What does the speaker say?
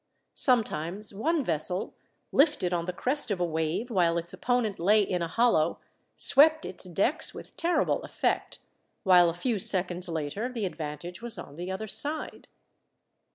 Sometimes one vessel, lifted on the crest of a wave while its opponent lay in a hollow, swept its decks with terrible effect; while a few seconds later the advantage was on the other side.